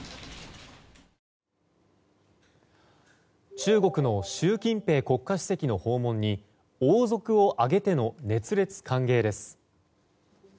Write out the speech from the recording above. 中国の習近平国家主席の訪問に王族を挙げての熱烈歓迎です。